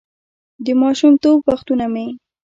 «د ماشومتوب وختونه مې: